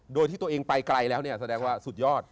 โดยที่ตัวเองไปไกลแล้วเนี่ยแสดงว่าสุดยอด